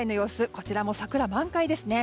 こちらも桜満開ですね。